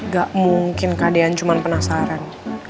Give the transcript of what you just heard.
gak mungkin kak dian cuman penasaran